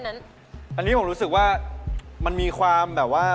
อันนี้ผมรู้สึกว่ามันมีความแบบว่า